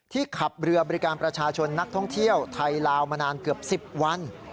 ขับเรือบริการประชาชนนักท่องเที่ยวไทยลาวมานานเกือบ๑๐วัน